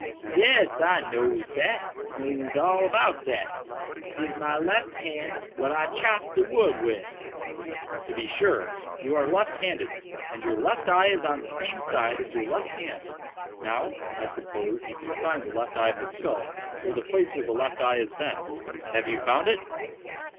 "Yes, I knows dat—knows all about dat—'tis my lef hand what I chops de wood wid." "To be sure! you are left handed; and your left eye is on the same side as your left hand. Now, I suppose, you can find the left eye of the skull, or the place where the left eye has been. Have you found it?"